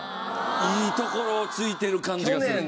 いいところを突いてる感じがする。